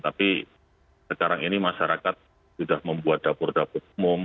tapi sekarang ini masyarakat sudah membuat dapur dapur umum